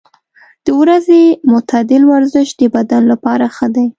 د ورځې معتدل ورزش د بدن لپاره ښه دی.